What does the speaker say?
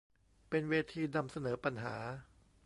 เป็นเวทีนำเสนอปัญหา